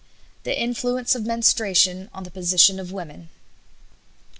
THE INFLUENCE OF MENSTRUATION ON THE POSITION OF WOMEN.